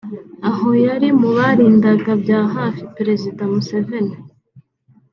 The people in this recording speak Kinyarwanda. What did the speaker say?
aho yari mu barindaga bya hafi Perezida Museveni